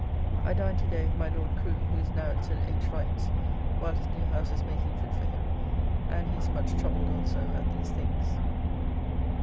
I dined to day with my Lord Crew, who is now at Sir H. Wright's, while his new house is making fit for him, and he is much troubled also at these things.